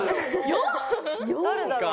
４？誰だろう？